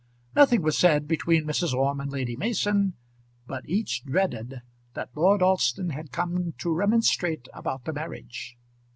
Nothing was said between Mrs. Orme and Lady Mason, but each dreaded that Lord Alston had come to remonstrate about the marriage.